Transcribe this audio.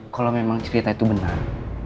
kalau memang cerita itu benar